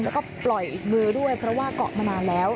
แล้วก็ปล่อยอีกมือด้วยเพราะว่าเกาะมานานแล้ว